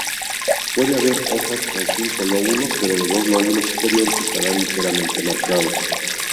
Puede haber hojas con cinco lóbulos, pero los dos lóbulos superiores estarán ligeramente marcados.